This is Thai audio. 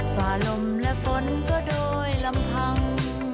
ฝ่าลมและฝนก็โดยลำพัง